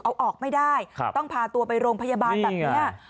เอาออกไม่ได้ต้องพาตัวไปโรงพยาบาลแบบนี้